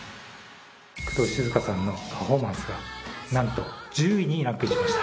工藤静香さんのパフォーマンスがなんと１０位にランクインしました。